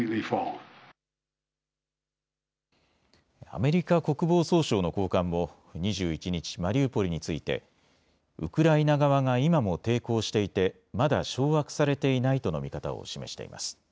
アメリカ国防総省の高官も２１日、マリウポリについてウクライナ側が今も抵抗していてまだ掌握されていないとの見方を示しています。